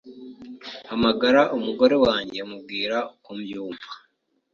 mpamagara umugore wanjye mubwira uko mbyumva.